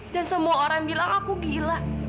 dan semua orang bilang aku gila